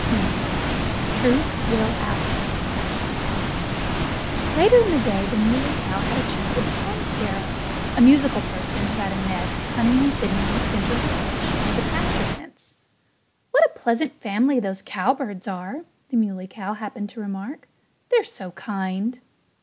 XIII TRUTH WILL OUT Later in the day the Muley Cow had a chat with a song sparrow a musical person who had a nest cunningly hidden in the center of a bush near the pasture fence. "What a pleasant family those cowbirds are!" the Muley Cow happened to remark. "They're so kind!"